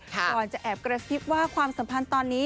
ก่อนจะแอบกระซิบว่าความสัมพันธ์ตอนนี้